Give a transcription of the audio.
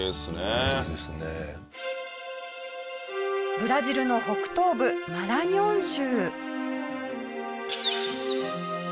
ブラジルの北東部マラニョン州。